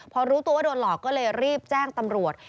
พอรู้ตัวว่าโดนหลอกก็เลยรีบแจ้งตำรวจ